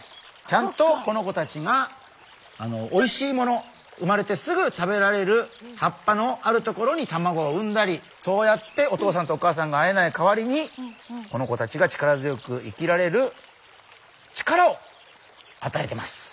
ちゃんとこの子たちがおいしいもの生まれてすぐ食べられる葉っぱのある所に卵を産んだりそうやってお父さんとお母さんが会えない代わりにこの子たちが力強く生きられる力をあたえてます。